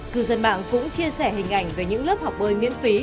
cư dân mạng cũng chia sẻ hình ảnh về những lớp học bơi miễn phí